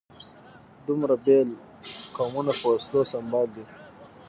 دومره بېل قومونه په وسلو سمبال دي.